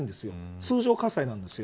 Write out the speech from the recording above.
通常火災なんです。